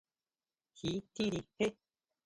Ji tjínri jé.